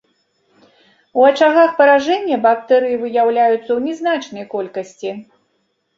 У ачагах паражэння бактэрыі выяўляюцца ў нязначнай колькасці.